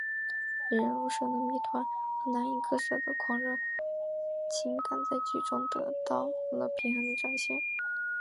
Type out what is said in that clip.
引人入胜的谜团和难以割舍的狂热情感在剧中得到了平衡的展现。